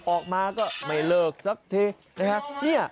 ออกมาก็ไม่เลิกซักที